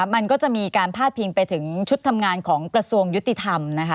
มันก็จะมีการพาดพิงไปถึงชุดทำงานของกระทรวงยุติธรรมนะคะ